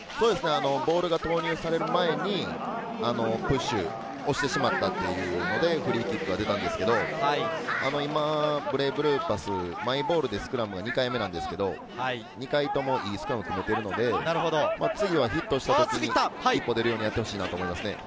ボールが投入される前に、プッシュ、押してしまったというので、フリーキックが出たんですけれど、ブレイブルーパス、マイボールでスクラムは２回目ですが、２回ともいいスクラムを組んでいるので、次はヒットした時に一歩出るようにやってほしいですね。